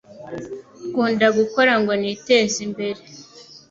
Ukunda gukora ngo niteze imbere